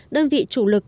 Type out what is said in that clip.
đơn vị chủ lực công an